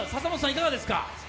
いかがですか？